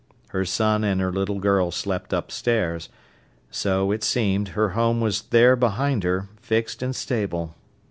Her son and her little girl slept upstairs; so, it seemed, her home was there behind her, fixed and stable.